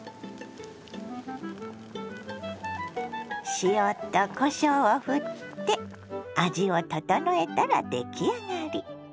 塩とこしょうをふって味を調えたら出来上がり。